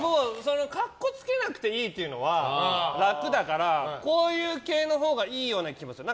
格好つけなくていいのは楽だからこういうほうがいいような気もする。